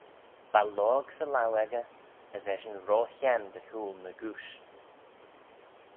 Va lorg 'sy laue echey, as eshyn ro henn dy hooyl n'egooish.